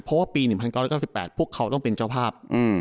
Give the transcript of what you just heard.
เพราะว่าปี๑๙๙๘พวกเขาต้องเป็นเจ้าภาพ